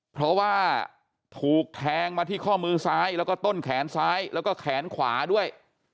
เพราะว่าถูกแทงมาที่ข้อมือซ้ายแล้วก็ต้นแขนซ้ายแล้วก็แขนขวาด้วย